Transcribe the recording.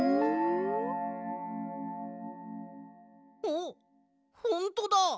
あっほんとだ！